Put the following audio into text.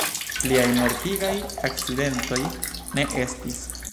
Pliaj mortigaj akcidentoj ne estis.